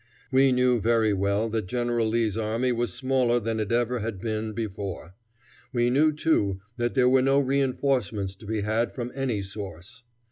We knew very well that General Lee's army was smaller than it ever had been before. We knew, too, that there were no reinforcements to be had from any source.